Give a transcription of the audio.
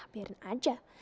nah biarin aja